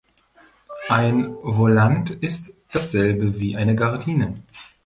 Ein Volant ist dasselbe wie eine Gardine.